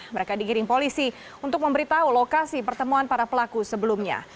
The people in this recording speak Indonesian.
mereka digiring polisi untuk memberitahu lokasi pertemuan para pelaku sebelumnya